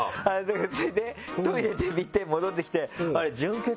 それでトイレで見て戻ってきて。